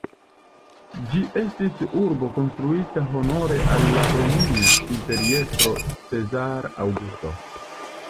Ĝi estis urbo konstruita honore al la romia imperiestro Cezaro Aŭgusto.